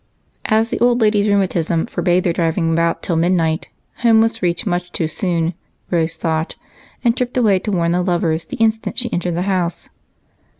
As the old lady's rheumatism forbade their driving about till midnight, home was reached much too soon, Rose thought, and tripped away to warn the lovers the instant she entered the house.